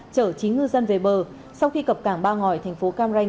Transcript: chở chín ngư dân về bờ sau khi cập cảng ba ngòi thành phố cam ranh